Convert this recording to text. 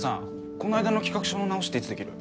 この間の企画書の直しっていつできる？